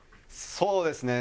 そうですね